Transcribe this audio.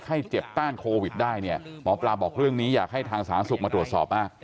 ให้เจ็บต้านโควิดได้เนี่ยหมอปลาบอกเรื่องนี้อยากให้ทางสาธารณสุขมาตรวจสอบมาก